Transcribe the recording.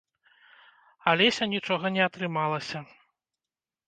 Алеся нічога не атрымалася.